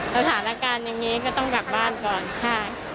สถานการณ์อย่างนี้ก็ต้องกลับบ้านก่อนใช่